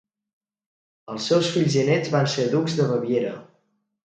Els seus fills i néts van ser ducs de Baviera.